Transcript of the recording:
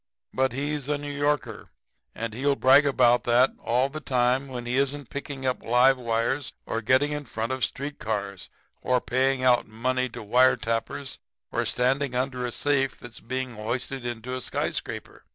But he's a New Yorker, and he'll brag about that all the time when he isn't picking up live wires or getting in front of street cars or paying out money to wire tappers or standing under a safe that's being hoisted into a skyscraper.